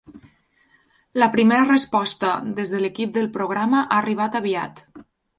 La primera resposta des de l’equip del programa ha arribat aviat.